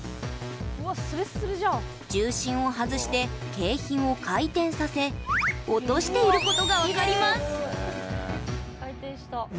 重心を外して、景品を回転させ落としていることが分かります。